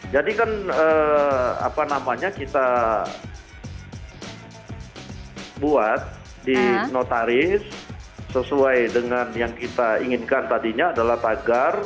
jadi kan apa namanya kita buat di notaris sesuai dengan yang kita inginkan tadinya adalah tagar